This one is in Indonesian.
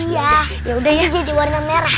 iya jadi warna merah